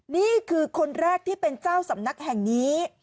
นี่คือคนแรกที่เป็นเจ้าสำนักแห่งนี้